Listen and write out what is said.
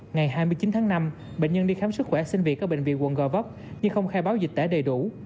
ngày hai mươi chín tháng năm bệnh nhân đi khám sức khỏe sinh việc ở bệnh viện quận gò vấp nhưng không khai báo dịch tễ đầy đủ